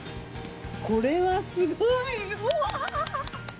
これはすごいうわ。